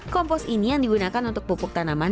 kompos ini yang digunakan untuk pupuk tanaman